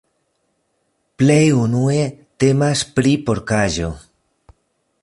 Plej unue temas pri porkaĵo.